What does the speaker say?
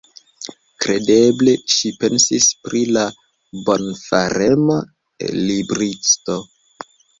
Kredeble ŝi pensis pri la bonfarema libristo.